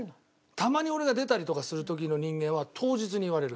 たまに俺が出たりとかする時の人間は当日に言われる。